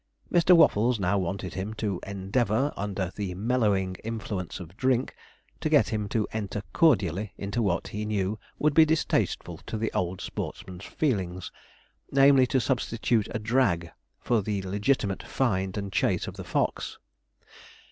Mr. Waffles now wanted him, to endeavour, under the mellowing influence of drink, to get him to enter cordially into what he knew would be distasteful to the old sportsman's feelings, namely, to substitute a 'drag' for the legitimate find and chase of the fox.